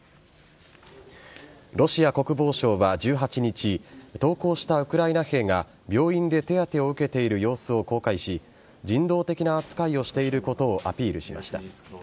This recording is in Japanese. ロシア国防省は１８日投降したウクライナ兵が病院で手当てを受けている様子を公開し人道的な扱いをしていることをアピールしました。